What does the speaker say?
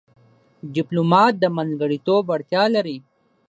ډيپلومات د منځګړیتوب وړتیا لري.